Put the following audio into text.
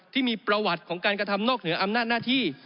ที่มีประวัติของการกระทำนอกเหนืออำนาจหน้าที่